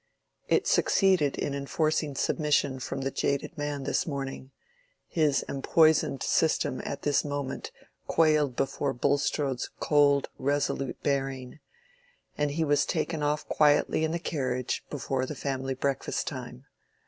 It succeeded in enforcing submission from the jaded man this morning: his empoisoned system at this moment quailed before Bulstrode's cold, resolute bearing, and he was taken off quietly in the carriage before the family breakfast time.